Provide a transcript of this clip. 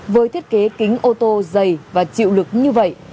với thiết kế kính ô tô dày và chịu lực như vậy